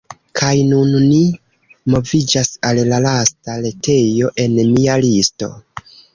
Kaj nun, ni moviĝas al la lasta retejo en mia listo.